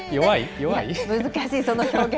難しいその表現。